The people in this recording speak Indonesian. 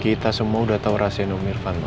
kita semua udah tau rahasianya om irvan ma